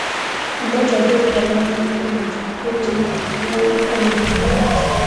He later joined the London College of Printing and the Royal College of Art.